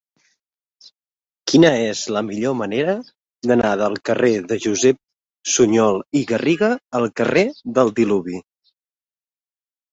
Quina és la millor manera d'anar del carrer de Josep Sunyol i Garriga al carrer del Diluvi?